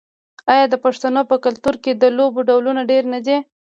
آیا د پښتنو په کلتور کې د لوبو ډولونه ډیر نه دي؟